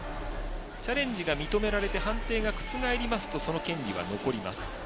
チャレンジが認められて判定が覆りますとその権利は残ります。